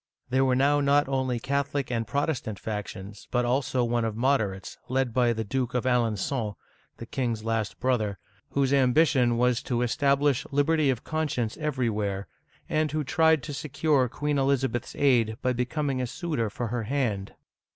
There were now not only Catholic and Protestant factions, but also one of Moderates, led by the Duke of Alengon, (a laN s6N') — the king's last brother, — whose ambition was to establish liberty of conscience everywhere, and who tried to secure Queen Elizabeth's aid by becoming a suitor for her hand.